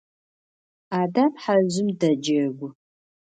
Адам хьэжъым дэджэгу.